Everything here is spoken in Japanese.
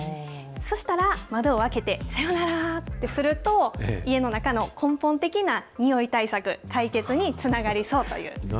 そしたら窓を開けて、さよならってすると、家の中の根本的なにおい対策、解決につながりそうという。